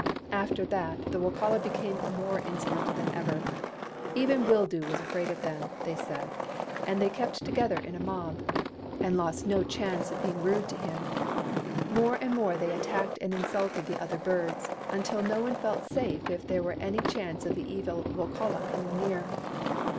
After that the Wokala became more insolent than ever. Even Wildoo was afraid of them, they said ; and they kept together in a mob, and lost 196 THE BURNING OF THE CROWS no chance of being rude to him. More and more they attacked and insulted the other birds, until no one felt safe if there were any chance of the evil Wokala coming near.